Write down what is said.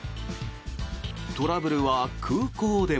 トラブルは空港でも。